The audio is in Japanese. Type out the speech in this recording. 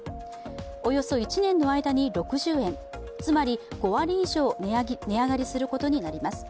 およそ１年の間に６０円、つまり５割以上、値上がりすることになります。